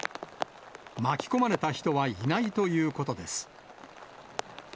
巻き込まれた人はいないということです。